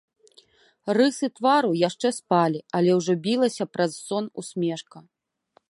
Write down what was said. Рысы твару яшчэ спалі, але ўжо білася праз сон усмешка.